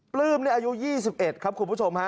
ปลื้มนี่อายุ๒๑ครับคุณผู้ชมฮะ